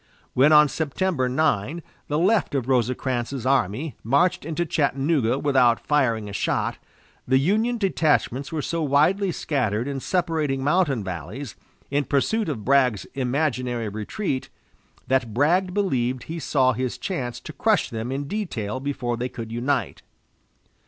When, on September 9, the left of Rosecrans's army marched into Chattanooga without firing a shot, the Union detachments were so widely scattered in separating mountain valleys, in pursuit of Bragg's imaginary retreat, that Bragg believed he saw his chance to crush them in detail before they could unite.